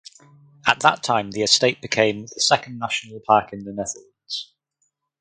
At that time the estate became the second national park in the Netherlands.